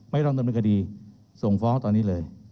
ต้องดำเนินคดีส่งฟ้องตอนนี้เลย